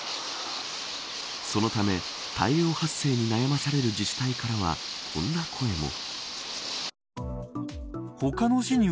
そのため大量発生に悩まされる自治体からは、こんな声も。